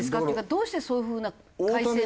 どうしてそういう風な改正に？